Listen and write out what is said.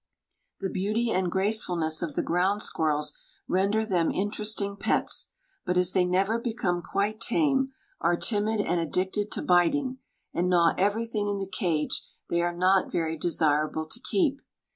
The beauty and gracefulness of the ground squirrels render them interesting pets, but as they never become quite tame, are timid and addicted to biting, and gnaw everything in the cage they are not very desirable to keep.